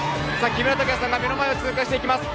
木村拓哉さんが、目の前を通過していきます。